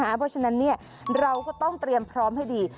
เพราะฉะนั้นเราก็ต้องเตรียมพร้อมให้ดี